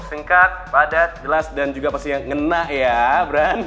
singkat padat jelas dan juga pasti yang ngenah ya bram